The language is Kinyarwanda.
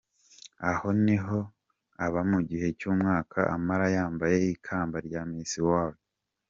Aho niho aba mu gihe cy’umwaka amara yambaye ikamba rya Miss World.